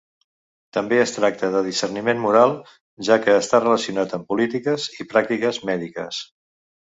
També es tracta de discerniment moral, ja que està relacionat amb polítiques i pràctiques mèdiques.